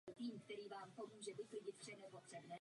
Já ji nikde ve smlouvě nevidím.